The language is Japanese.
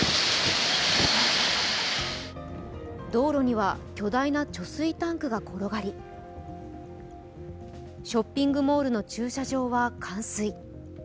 道路には巨大な貯水タンクが転がりショッピングモールの駐車場は冠水。